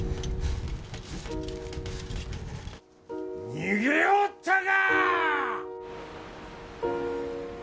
逃げおったか！